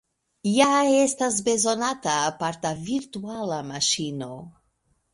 Ja estas bezonata aparta virtuala maŝino.